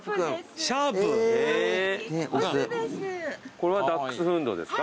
これはダックスフントですか？